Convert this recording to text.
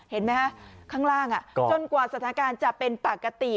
เห็นไหมฮะข้างล่างจนกว่าสถานการณ์จะเป็นปกติ